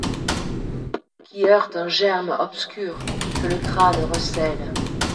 Qui heurte un germe obscur que le crâne recèle